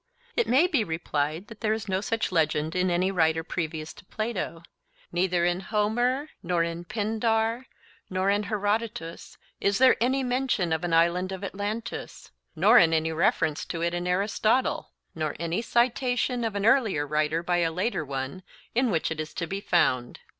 It may be replied that there is no such legend in any writer previous to Plato; neither in Homer, nor in Pindar, nor in Herodotus is there any mention of an Island of Atlantis, nor any reference to it in Aristotle, nor any citation of an earlier writer by a later one in which it is to be found.